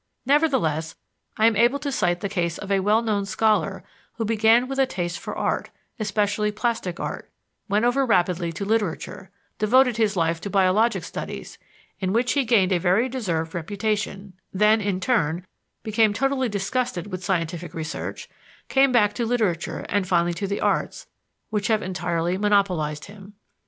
Nevertheless, I am able to cite the case of a well known scholar who began with a taste for art, especially plastic art, went over rapidly to literature, devoted his life to biologic studies, in which he gained a very deserved reputation; then, in turn, became totally disgusted with scientific research, came back to literature and finally to the arts, which have entirely monopolized him.